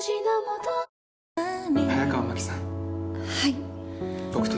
はい。